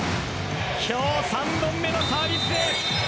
今日３本目のサービスエース。